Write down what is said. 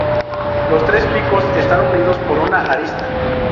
Los tres picos están unidos por una arista.